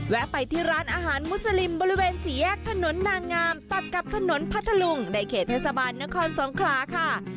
ไปที่ร้านอาหารมุสลิมบริเวณสี่แยกถนนนางงามตัดกับถนนพัทธลุงในเขตเทศบาลนครสงขลาค่ะ